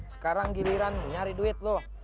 sekarang giliran nyari duit loh